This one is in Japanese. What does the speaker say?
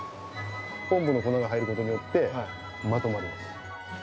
昆布の粉が入ることによって、まとまるんです。